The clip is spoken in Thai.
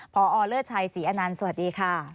พอเลิศชัยศรีอนันต์สวัสดีค่ะ